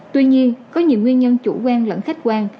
tuy nhiên có nhiều nguyên nhân chủ quan lẫn khách quan